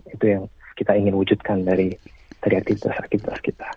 itu yang kita ingin wujudkan dari aktivitas aktivitas kita